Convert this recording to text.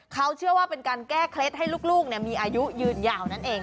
เขาเชื่อว่าเป็นการแก้เคล็ดให้ลูกมีอายุยืนยาวนั่นเอง